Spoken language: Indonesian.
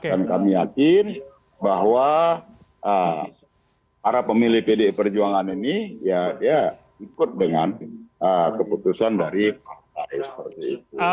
dan kami yakin bahwa para pemilih pdi perjuangan ini ya ikut dengan keputusan dari partai seperti itu